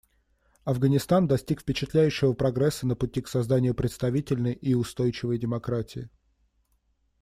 Афганистан достиг впечатляющего прогресса на пути к созданию представительной и устойчивой демократии.